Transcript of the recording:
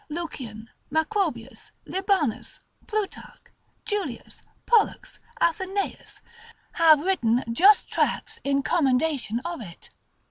Lucian, Macrobius, Libanus, Plutarch, Julius, Pollux, Athenaeus, have written just tracts in commendation of it.